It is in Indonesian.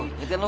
inget kan lu